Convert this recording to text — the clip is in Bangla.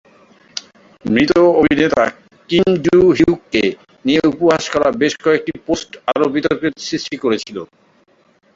মৃত অভিনেতা কিম জু-হিউককে নিয়ে উপহাস করা বেশ কয়েকটি পোস্ট আরও বিতর্কের সৃষ্টি করেছিল।